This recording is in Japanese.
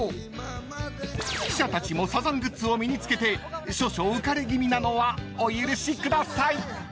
［記者たちもサザングッズを身に着けて少々浮かれ気味なのはお許しください］